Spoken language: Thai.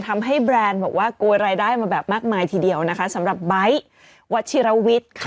แบรนด์บอกว่าโกยรายได้มาแบบมากมายทีเดียวนะคะสำหรับไบท์วัชิรวิทย์ค่ะ